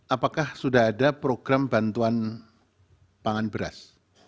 apakah sudah ada program bantuan pangan beras